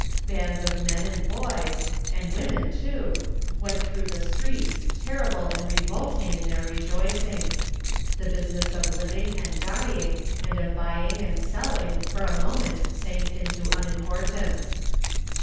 Bands of men and boys — and women, too — ^went through the streets, terrible and 16 Digitized by Google THE NINTH MAN revolting in their rejoicings. The business of living and dying and of buying and selling for a moment sank to unimportance.